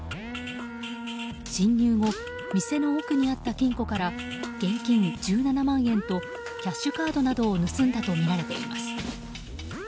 侵入後、店の奥にあった金庫から現金１７万円とキャッシュカードなどを盗んだとみられています。